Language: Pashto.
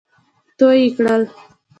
تو يې کړل.